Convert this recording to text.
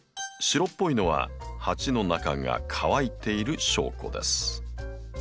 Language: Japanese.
白っぽいのは鉢の中が乾いている証拠です。